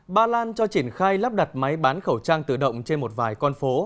ba lan cho triển khai lắp đặt máy bán khẩu trang tự động trên một vài con phố